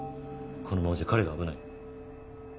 このままじゃ彼が危ない。